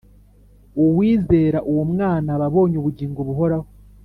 . “Uwizera uwo mwana aba abonye ubugingo buhoraho.